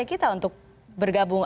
lalu lalu pak